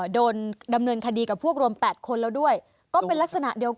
โดนดำเนินคดีกับพวกรวม๘คนแล้วด้วยก็เป็นลักษณะเดียวกัน